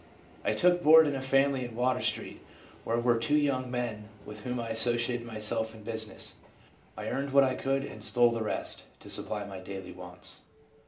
I took board in a fam ily in Water street, where were two young men with whom I associated myself in busi ness. I earned what I could, and stole the rest, to supply my daily wants.